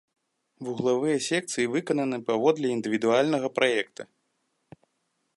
Вуглавыя секцыі выкананы паводле індывідуальнага праекта.